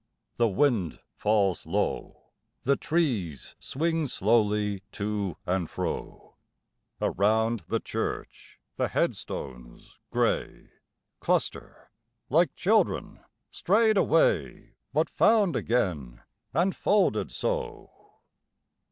The wind falls low, The trees swing slowly to and fro: Around the church the headstones grey Cluster, like children strayed away But found again, and folded so.